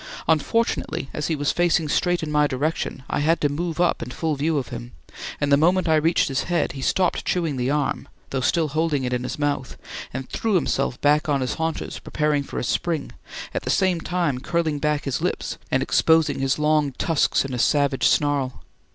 Unfortunately, as he was facing straight in my direction, I had to move up in full view of him, and the moment I reached his head, he stopped chewing the arm, though still holding it in his mouth, and threw himself back on his haunches, preparing for a spring, at the same time curling back his lips and exposing his long tusks in a savage snarl.